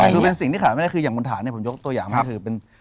คือเป็นสิ่งที่ขาดไม่ได้คืออย่างคุณฐานเนี่ยผมยกตัวอย่างก็คือเป็น